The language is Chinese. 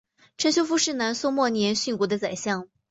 陆秀夫是南宋末年殉国的宰相。